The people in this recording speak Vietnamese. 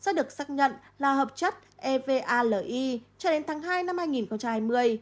do được xác nhận là hợp chất evali cho đến tháng hai năm hai nghìn hai mươi